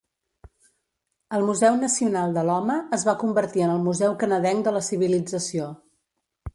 El Museu Nacional de l'Home es va convertir en el Museu Canadenc de la Civilització.